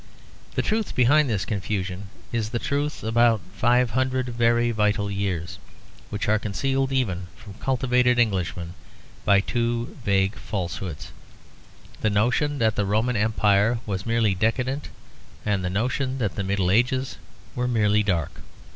The truth behind this confusion is the truth about five hundred very vital years, which are concealed even from cultivated Englishmen by two vague falsehoods; the notion that the Roman Empire was merely decadent and the notion that the Middle Ages were merely dark.